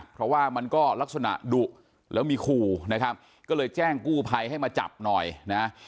เพราะว่ามันก็ลักษณะดุแล้วมีขู่นะครับก็เลยแจ้งกู้ภัยให้มาจับหน่อยนะ